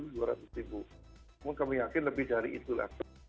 namun kami yakin lebih dari itulah